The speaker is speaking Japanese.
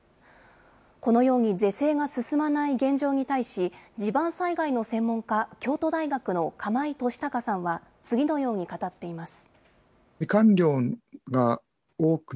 このように是正が進まない現状に対し、地盤災害の専門家、京都大学の釜井俊孝さんは、次のように語っています。